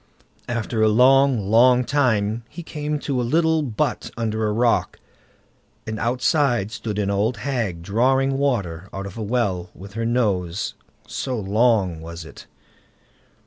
After a long, long time he came to a little but under a rock, and outside stood an old hag drawing water out of a well with her nose, so long was it.